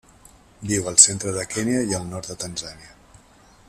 Viu al centre de Kenya i el nord de Tanzània.